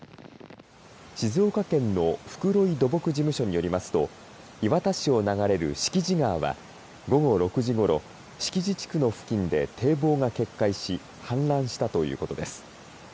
静岡県の袋井土木事務所によりますと磐田市を流れる敷地川は午後６時ごろ敷地地区の付近で堤防が決壊し氾濫したということです。